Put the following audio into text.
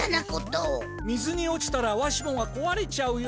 水に落ちたらわしもがこわれちゃうよ。